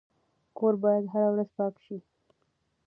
کور باید هره ورځ پاک شي.